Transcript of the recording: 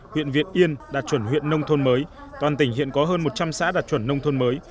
huyện việt yên đạt chuẩn huyện nông thôn mới toàn tỉnh hiện có hơn một trăm linh xã đạt chuẩn nông thôn mới